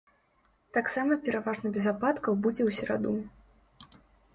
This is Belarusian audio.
Таксама пераважна без ападкаў будзе ў сераду.